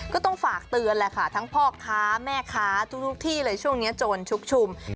ก็ต้องฝากเตือนแหละค่ะทั้งพ่อค้าแม่ค้าทุกที่เลยช่วงนี้โจรชุกชุม